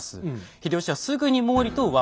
秀吉はすぐに毛利と和睦。